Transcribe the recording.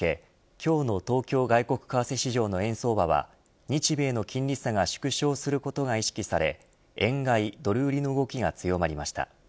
今日の東京外国為替市場の円相場は日米の金利差が縮小することが意識され円買いドル売りの動きが強まりました。